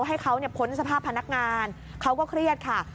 ให้เขาพ้นสภาพพนักงานเขาก็เครียดค่ะ